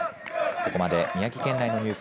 ここまで宮城県内のニュース